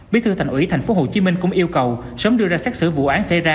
bí thư thành ủy tp hcm cũng yêu cầu sớm đưa ra xác xử vụ án xảy ra